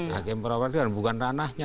hakem para peradilan bukan ranahnya